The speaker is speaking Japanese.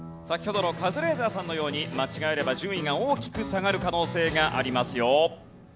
先ほどのカズレーザーさんのように間違えれば順位が大きく下がる可能性がありますよ。